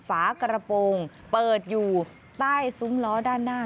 ฝากระโปรงเปิดอยู่ใต้ซุ้มล้อด้านหน้า